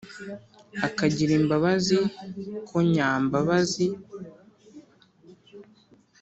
Akagira imbabazi ko nyambabazi